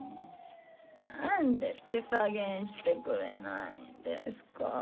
何で手加減してくれないんですか？